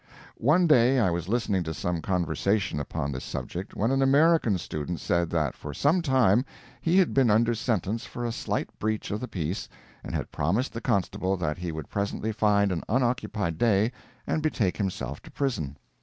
One day I was listening to some conversation upon this subject when an American student said that for some time he had been under sentence for a slight breach of the peace and had promised the constable that he would presently find an unoccupied day and betake himself to prison.